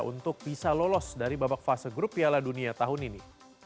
untuk bisa lolos dari babak fase grup piala dunia tahun ini